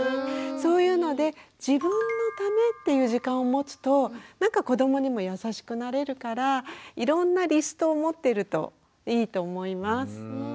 そういうので自分のためっていう時間を持つとなんか子どもにも優しくなれるからいろんなリストを持ってるといいと思います。